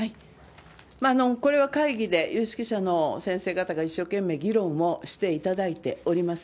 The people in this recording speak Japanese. これは会議で有識者の先生方が一生懸命議論もしていただいております。